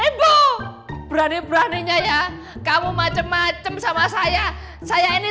ibu berani beraninya ya kamu macem macem sama saya saya ini